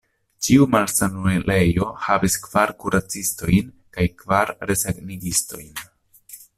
Ĉiu malsanulejo havis kvar kuracistojn kaj kvar resanigistojn.